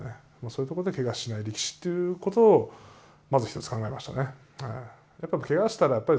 そういうとこでけがしない力士っていうことをまず一つ考えましたね。